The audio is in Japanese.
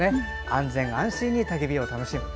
安全安心にたき火を楽しむ。